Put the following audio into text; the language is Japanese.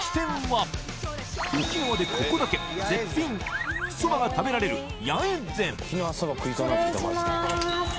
沖縄でここだけ絶品○○そばが食べられる八重善失礼します